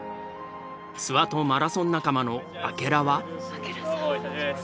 諏訪とマラソン仲間の明楽は？